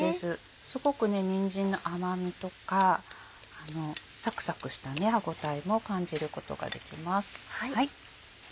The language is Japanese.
すごくにんじんの甘みとかサクサクした歯応えも感じることができます。